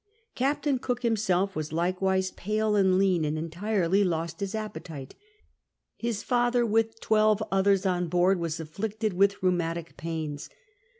"Captain Cook himself was likewise pale and lean and entirely lost his appetite." His father, with twelve othei's on board, was afliicted with rheumatic pains.